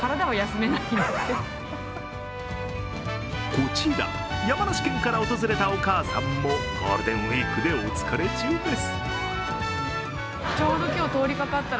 こちら、山梨県から訪れたお母さんもゴールデンウイークでお疲れ中です。